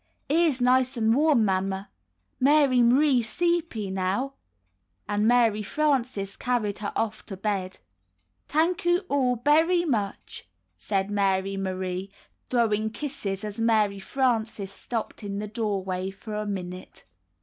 "Ears nice and warm. Mamma. Mary M'rie s'eepy now." And Mary Frances carried her off to bed. "T'ank 'oo all, berry much," said Mary Marie, throwing kisses, as Mary Frances stopped in the door way for a minute.